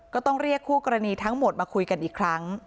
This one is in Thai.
ก็ต้องเรียกคู่กรณีทั้งหมดมาคุยกันอีกครั้ง